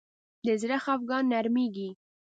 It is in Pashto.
د زړه خفګان نرمېږي